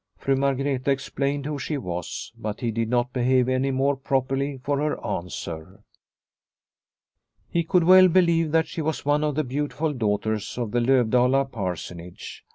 '' Fru Margreta ex plained who she was, but he did not behave any more properly for her answer. He could well believe that she was one of the beautiful daughters of the Lovdala parsonage.